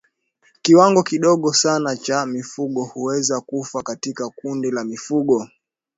Kiwango kidogo sana cha mifugo huweza kufa katika kundi la mifugo